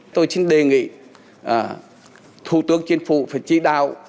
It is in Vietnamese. tôi xin đề nghị thủ tướng chính phủ phải chỉ đạo